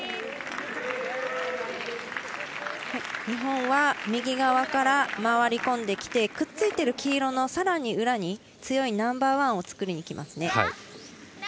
日本は右側から回り込んできてくっついている黄色のさらに裏にナンバーワンを作りに来ますね。